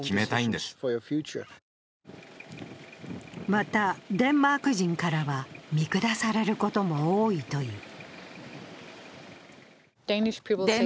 また、デンマーク人からは見下されることも多いという。